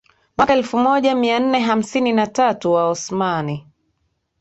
Mwaka elfumoja mianne hamsini na tatu Waosmani